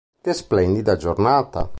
Che splendida giornata!".